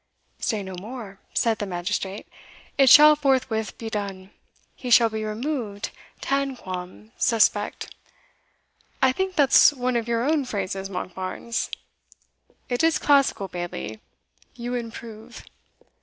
"Say no more," said the magistrate; "it shall forthwith be done he shall be removed tanquam suspect I think that's one of your own phrases, Monkbarns?" "It is classical, Bailie you improve."